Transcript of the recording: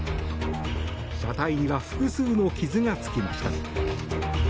車体には複数の傷がつきました。